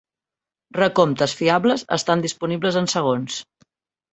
Recomptes fiables estan disponibles en segons.